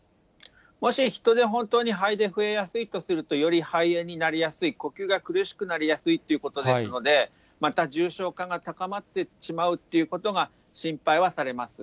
もし、ヒトで本当に肺で増えやすいとすると、より肺炎になりやすい、呼吸が苦しくなりやすいということですので、また重症化が高まってしまうということが心配はされます。